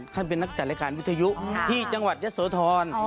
ท่านเป็นนักจัดรายการวิทยุที่จังหวัดยะโสธร